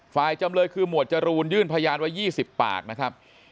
จำเลยคือหมวดจรูนยื่นพยานไว้๒๐ปากนะครับ